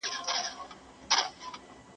ظالمان به خامخا خپله سزا وویني.